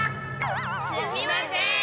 すみません！